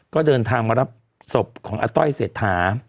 ก็เดินทางมารับศพของอาต้อยเศรษฐา